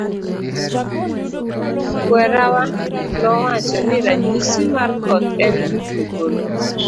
Kwerawa nowacho ni ranyisis mar koth en dudni polo.